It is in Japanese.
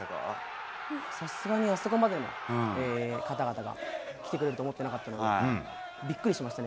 さすがにあそこまでの方々が来てくれると思ってなかったので、びっくりしましたね。